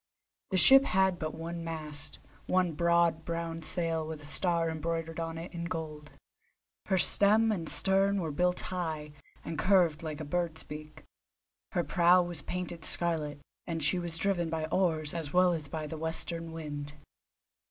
The ship had but one mast, one broad brown sail with a star embroidered on it in gold; her stem and stern were built high, and curved like a bird's beak; her prow was painted scarlet, and she was driven by oars as well as by the western wind.